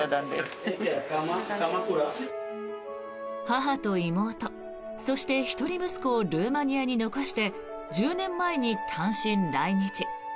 母と妹、そして一人息子をルーマニアに残して１０年前に単身来日。